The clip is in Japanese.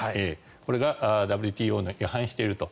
これがＷＴＯに違反していると。